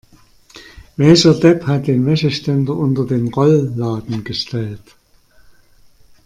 Welcher Depp hat den Wäscheständer unter den Rollladen gestellt?